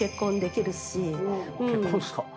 結婚ですか？